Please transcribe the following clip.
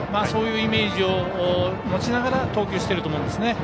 そういうイメージを持ちながら投球してると思うんですね。